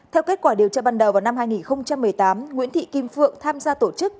theo kết quả điều tra ban đầu vào năm hai nghìn một mươi tám nguyễn thị kim phượng tham gia tổ chức